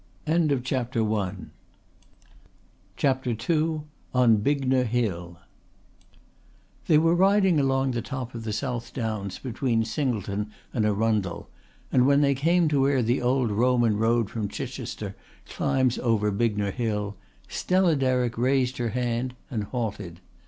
CHAPTER II ON BIGNOR HILL They were riding along the top of the South Downs between Singleton and Arundel, and when they came to where the old Roman road from Chichester climbs over Bignor Hill, Stella Derrick raised her hand and halted.